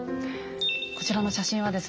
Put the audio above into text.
こちらの写真はですね